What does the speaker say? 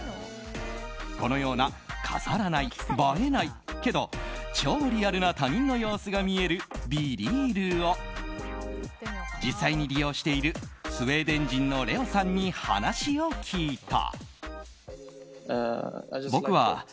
このような飾らない映えないけど超リアルな他人の様子が見える「ＢｅＲｅａｌ」を実際に利用しているスウェーデン人のレオさんに話を聞いた。